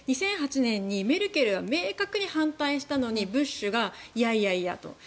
２００８年にメルケルは明確に反対したのにブッシュがいやいやと。